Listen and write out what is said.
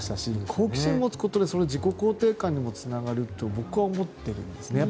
好奇心を持つことで自己肯定感につながると僕は思っているんですね。